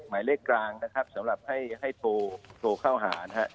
หมายเลขกลางนะครับสำหรับให้โทรเข้าหานะครับ